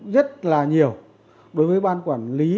rất là nhiều đối với ban quản lý